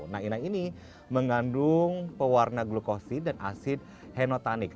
nah inai ini mengandung pewarna glukosid dan asid heno tanik